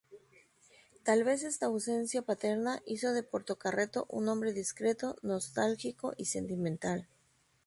Tal vez esta ausencia paterna hizo de Portocarrero un hombre discreto, nostálgico y sentimental.